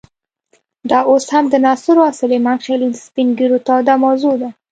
دا اوس هم د ناصرو او سلیمان خېلو د سپین ږیرو توده موضوع ده.